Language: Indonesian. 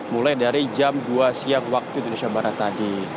mulai dari jam dua siang waktu indonesia barat tadi